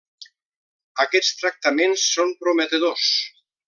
Aquests tractaments són prometedors.